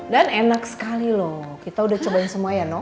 dan enak sekali loh kita udah cobain semuanya no